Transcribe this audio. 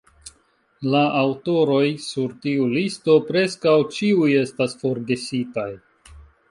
La aŭtoroj sur tiu listo preskaŭ ĉiuj estas forgesitaj.